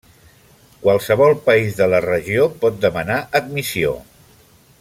Qualsevol país de la regió pot demanar admissió.